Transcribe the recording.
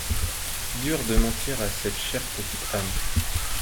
Dur de mentir à cette chère petite âme.